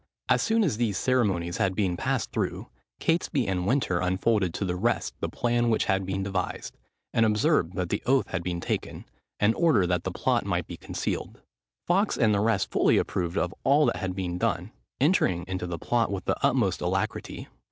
As soon as these ceremonies had been passed through, Catesby and Winter unfolded to the rest the plan which had been devised; and observed that the oath had been taken, in order that the plot might be concealed. Fawkes and the rest fully approved of all that had been done, entering into the plot with the utmost alacrity.